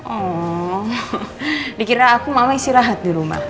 aw dikira aku mama isi rahat di rumah